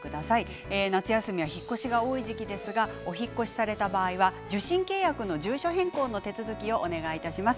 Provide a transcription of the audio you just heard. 夏休みは引っ越しが多い時期ですがお引っ越しされた場合は受信契約の住所変更の手続きをお願いいたします。